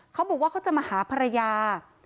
เขาบอกว่าเขาจะมาหาภรรยา